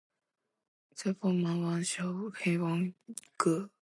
樱花妹翻唱《猫的报恩》片尾曲《幻化成风》